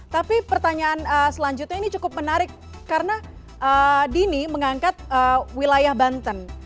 tapi pertanyaan selanjutnya ini cukup menarik karena dini mengangkat wilayah banten